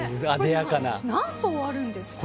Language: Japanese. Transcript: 何層あるんですか？